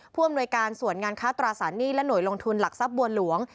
ผู้อำนวยการส่วนงานค้าตราสารหนี้และหน่วยลงทุนหลักทรัพย์บัวหลวง